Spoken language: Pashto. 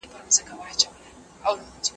هره ورځ کارول لازمي نه دي.